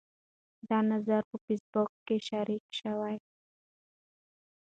دا نظر په فیسبوک کې شریک شو.